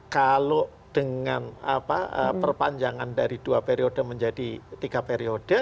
kalau dengan perpanjangan dari dua periode menjadi tiga periode